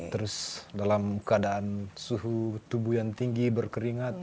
terus dalam keadaan suhu tubuh yang tinggi berkeringat